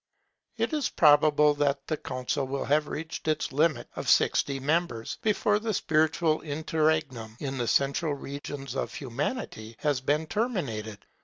It is probable that the Council will have reached its limit of sixty members, before the spiritual interregnum in the central region of Humanity has been terminated.